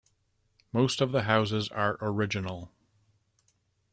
Most of the houses are original.